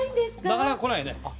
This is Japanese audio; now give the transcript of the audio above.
なかなか来ないね。